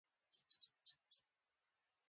جغل د سمنټ کانکریټو او اسفالټ کانکریټو اساسي مواد دي